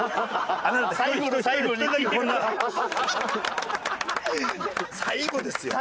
最後ですよ。